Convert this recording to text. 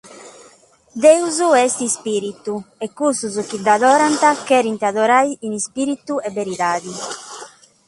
Deus est ispìritu, e cussos chi dd’adorant cherent adorare in ispìritu e beridade».